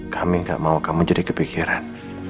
kami gak mau kamu jadi kepikiran